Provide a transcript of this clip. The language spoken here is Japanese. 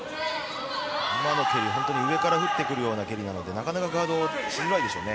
今の蹴り、本当に上から打ってくるような蹴りなので、なかなかガードしづらいでしょうね。